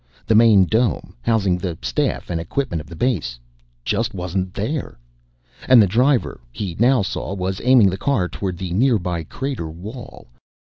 The main dome, housing the staff and equipment of the base, just wasn't there. And the driver, he now saw, was aiming the car toward the nearby crater wall.